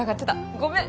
ごめん！